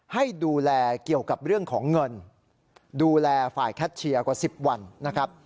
ให้ดูแลเกี่ยวกับเรื่องของเงินดูแลฝ่ายแคทเชียร์กว่า๑๐วันนะครับ